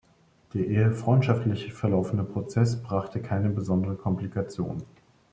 Der eher freundschaftlich verlaufene Prozess brachte keine besonderen Komplikationen.